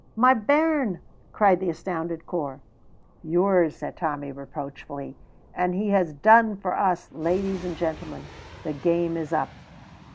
"My bairn!" cried the astounded Corp. "Yours," said Tommy, reproachfully; "and he has done for us. Ladies and gentlemen, the game is up."